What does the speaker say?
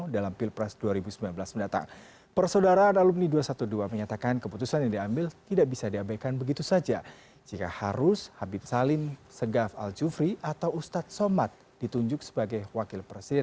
dan terutama adalah yang mayoritas yaitu termasuk umat islam